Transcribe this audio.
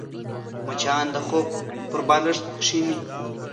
مچان د خوب پر بالښت کښېني